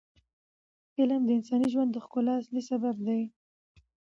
علم د انساني ژوند د ښکلا اصلي سبب دی.